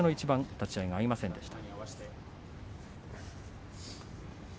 立ち合いが合いませんでした。